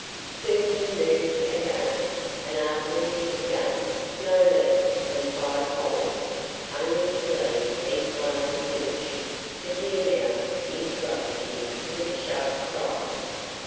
Soon he moved again. And after he had begun no less than five holes, only to leave each one unfinished, the deer mouse interrupted him with a sharp cry.